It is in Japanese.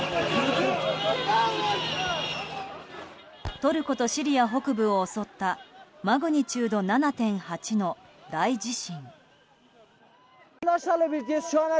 トルコとシリア北部を襲ったマグニチュード７．８の大地震。